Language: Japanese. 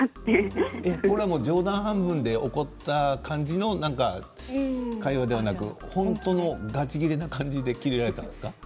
これは冗談半分で怒った感じの会話ではなく本当のガチギレな感じだったんですか。